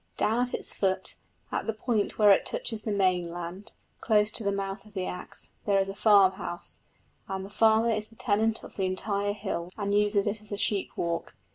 Down at its foot, at the point where it touches the mainland, close to the mouth of the Axe, there is a farmhouse, and the farmer is the tenant of the entire hill, and uses it as a sheep walk.